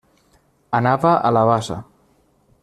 Anava a la bassa.